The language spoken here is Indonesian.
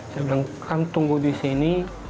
sebelum kamu tunggu disini